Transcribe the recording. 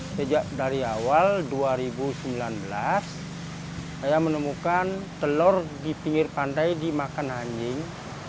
sejak dari awal dua ribu sembilan belas saya menemukan telur di pinggir pantai dimakan anjing